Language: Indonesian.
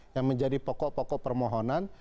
yang menjadi pokok pokok permohonan